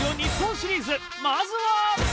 まずは。